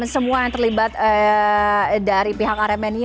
semua yang terlibat dari pihak aremania